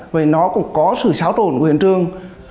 vậy nó cũng có sự xáo trộn của hiện trường